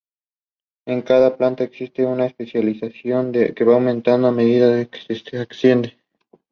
The water flow is highest immediately after the rainy season (usually after July).